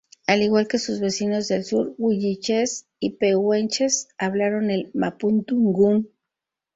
Al igual que sus vecinos del sur; Huilliches y Pehuenches, hablaron el Mapudungún.